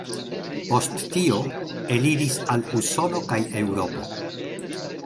Post tio, eliris al Usono kaj Eŭropo.